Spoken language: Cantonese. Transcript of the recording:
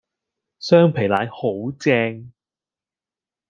雙皮奶好正